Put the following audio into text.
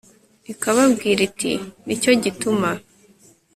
ikababwira iti 'ni cyo gituma